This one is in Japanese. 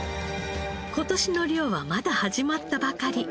今年の漁はまだ始まったばかり。